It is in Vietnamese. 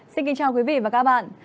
xin kính chào quý vị và các bạn